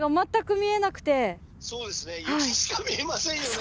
そうですね雪しか見えませんよね！